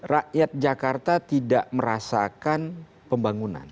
rakyat jakarta tidak merasakan pembangunan